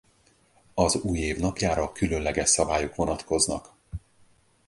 Az újév napjára különleges szabályok vonatkoznak.